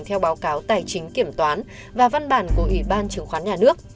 theo báo cáo tài chính kiểm toán và văn bản của ủy ban chứng khoán nhà nước